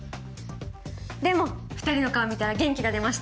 でも２人の顔を見たら元気が出ました。